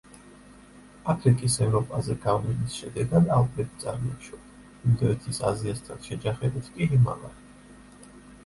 აფრიკის ევროპაზე გავლენის შედეგად ალპები წარმოიშვა, ინდოეთის აზიასთან შეჯახებით კი ჰიმალაი.